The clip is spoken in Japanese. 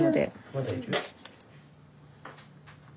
まだいる？